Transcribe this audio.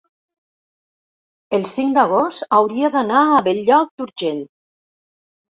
el cinc d'agost hauria d'anar a Bell-lloc d'Urgell.